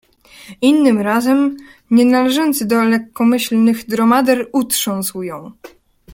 Innym razem, nie należący do lekkomyślnych dromader utrząsł ją.